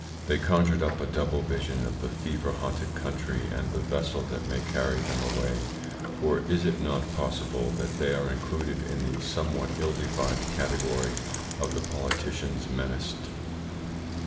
They conjured up a double vision of the fever haunted country and the vessel that may carry them away; for is it not possible that they are included in the somewhat ill defined category of the politicians menaced?